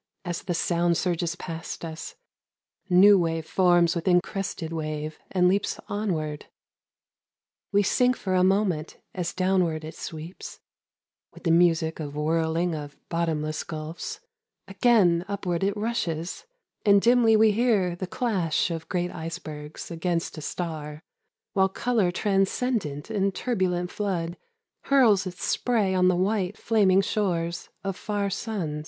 As the sound surges past us New wave forms within crested wave And leaps onward ; We sink for a moment As downward it sweeps With the music of whirling of bottomless gulfs, Again upward it rushes And dimly we hear The clash of great icebergs against a star, While Colour transcendent in turbulent flood Hurls its spray on the white flaming shores of far suns.